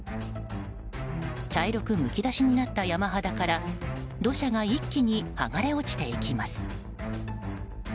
茶色くむき出しになった山肌から土砂が一気に剥がれ落ちていきます。